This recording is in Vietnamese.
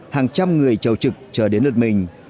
hàng trăm người chầu trực chờ đến lượt mình